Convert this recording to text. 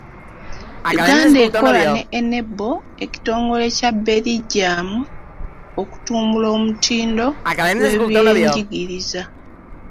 Uganda ekola ne Enable ekitongole kya Beligium okutumbula omutindo gw'ebyenjigiriza.